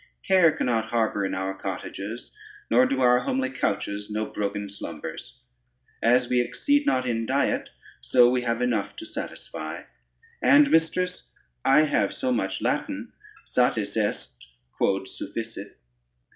Care cannot harbor in our cottages, nor do our homely couches know broken slumbers: as we exceed not in diet, so we have enough to satisfy: and, mistress, I have so much Latin, Satis est quod sufficit."